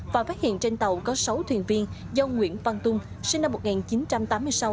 và phát hiện trên tàu có sáu thuyền viên do nguyễn văn tung sinh năm một nghìn chín trăm tám mươi sáu